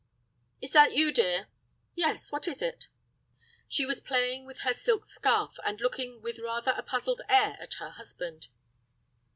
"Is that you, dear?" "Yes; what is it?" She was playing with her silk scarf, and looking with rather a puzzled air at her husband.